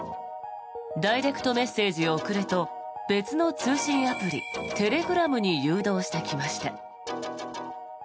ダイレクトメッセージを送ると別の通信アプリテレグラムに誘導してきました。